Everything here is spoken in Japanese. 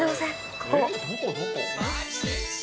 ここ。